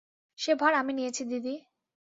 সে ভার আমি নিয়েছি দিদি।